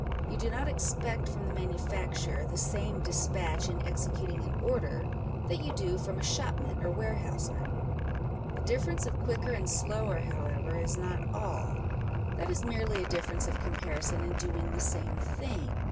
You do not expect from the manufacturer the same despatch in executing an order that you do from a shopman or ware houseman. The difference of quicker and sloioer, however, is not all : that is merely a difference of comparison in doing the same thing.